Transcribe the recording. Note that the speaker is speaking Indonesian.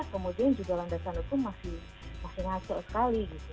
kemudian juga landasan hukum masih ngaco sekali gitu